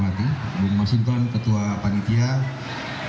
saya menegaksi semua peraturanke